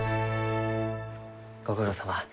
ご苦労さま。